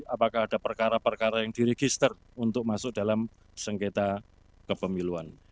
apakah ada perkara perkara yang diregister untuk masuk dalam sengketa kepemiluan